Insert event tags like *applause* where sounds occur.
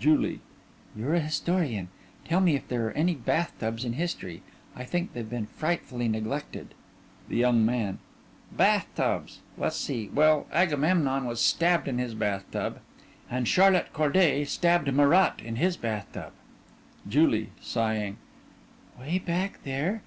JULIE: You're a historian. Tell me if there are any bath tubs in history. I think they've been frightfully neglected. THE YOUNG MAN: Bath tubs! Let's see. Well, Agamemnon was stabbed in his bath tub. And Charlotte Corday stabbed Marat in his bath tub. JULIE: *sighs* Way back there!